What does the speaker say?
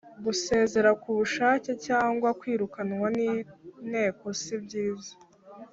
gusezera ku bushake cyangwa kwirukanwa n inteko si byiza